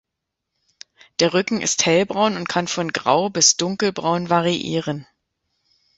Der Rücken ist hellbraun und kann von grau bis dunkelbraun variieren.